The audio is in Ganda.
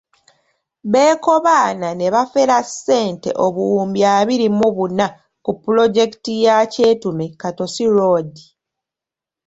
Bekobaana ne bafera ssente obuwumbi abiri mu buna ku pulojekiti ya Kyetume–Katosi road.